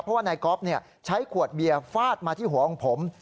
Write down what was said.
เพราะว่านายก๊อฟใช้ขวดเบียร์ฟาดมาที่หัวของผม